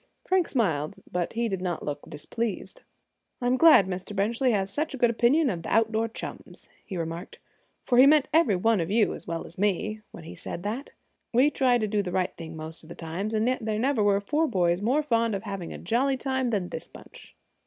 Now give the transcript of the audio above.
Frank smiled, but he did not look displeased. "I'm glad Mr. Benchley has such a good opinion of the outdoor chums," he remarked, "for he meant every one of you, as well as me, when he said that. We try to do the right thing most times; and yet there never were four boys more fond of having a jolly time than this bunch."